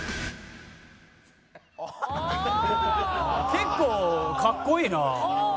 結構かっこいいなあ。